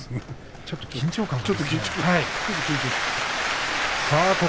ちょっと緊張した。